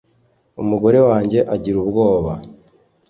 umugore wanjye agira ubwoba.